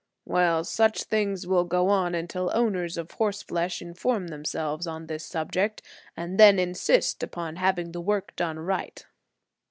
"Well, such things will go on until owners of horseflesh inform themselves on this subject, and then insist upon having the work done right.